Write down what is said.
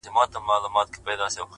د ملا لوري نصيحت مه كوه !!